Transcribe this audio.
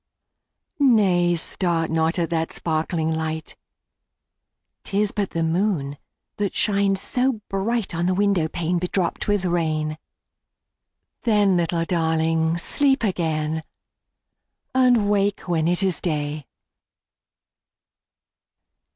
10 Nay! start not at that sparkling light; 'Tis but the moon that shines so bright On the window pane bedropped with rain: Then, little Darling! sleep again, And wake when it is day.